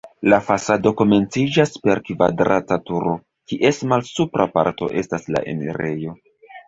La fasado komenciĝas per kvadrata turo, kies malsupra parto estas la enirejo.